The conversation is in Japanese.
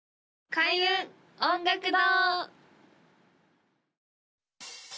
開運音楽堂！